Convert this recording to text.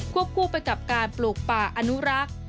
คู่ไปกับการปลูกป่าอนุรักษ์